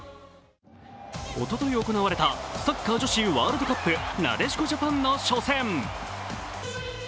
おととい行われたサッカー女子ワールドカップ、なでしこジャパンの初戦。